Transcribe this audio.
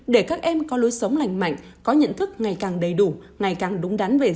để các em có lối sống lành mạnh có nhận thức ngày càng đầy đủ